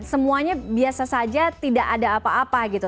semuanya biasa saja tidak ada apa apa gitu